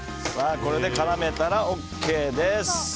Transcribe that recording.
これで絡めたらＯＫです。